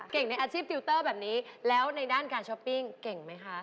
ในอาชีพฟิลเตอร์แบบนี้แล้วในด้านการช้อปปิ้งเก่งไหมคะ